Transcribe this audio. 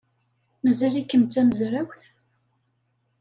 Mazal-ikem d tamezrawt?